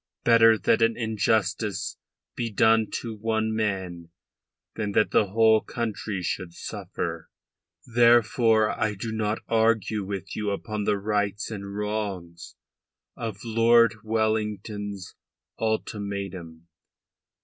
Better that an injustice be done to one man than that the whole country should suffer. Therefore I do not argue with you upon the rights and wrongs of Lord Wellington's ultimatum.